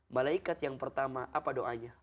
malaikat yang pertama apa doanya